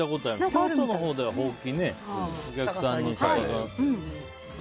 京都のほうではほうきをお客さんにね。